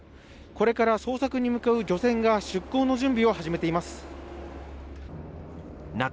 これから捜索に向かう漁船が出航の準備を始めています。